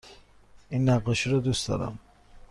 این نقاشی را دوست دارم.